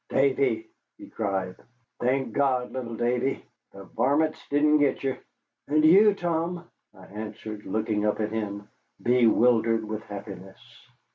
"Davy!" he cried. "Thank God, little Davy! the varmints didn't get ye." "And you, Tom?" I answered, looking up at him, bewildered with happiness.